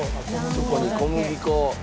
そこに小麦粉。